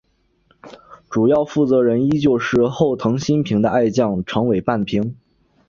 主要负责人依旧是后藤新平的爱将长尾半平。